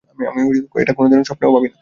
আমি এটা কোনও দিন স্বপ্নেও ভাবি না।